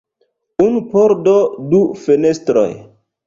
Unu pordo, du fenestroj.